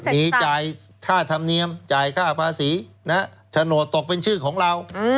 มีจ่ายค่าธรรมเนียมจ่ายค่าภาษีโฉนดตกเป็นชื่อของเรา